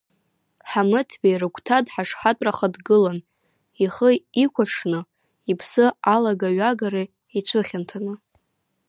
Ҳамыҭбеи рыгуҭа дҳашҳатәараха дгылан, ихы икуаҽны, иԥсы алага-ҩагара ицәыхьанҭаны.